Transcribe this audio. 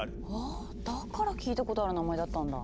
あぁだから聞いたことある名前だったんだ。